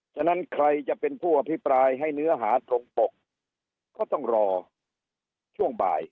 ฉะนั้นใครจะเป็นผู้อภิปรายให้เนื้อหาตรงปกก็ต้องรอช่วงบ่าย